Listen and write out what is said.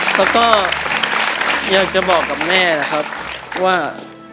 แล้วก็อยากจะบอกกับแม่นะครับว่า